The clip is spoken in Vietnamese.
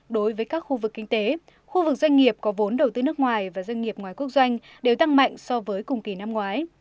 đối với các khu vực kinh tế khu vực doanh nghiệp có vốn đầu tư nước ngoài và doanh nghiệp ngoài quốc doanh đều tăng mạnh so với cùng kỳ năm ngoái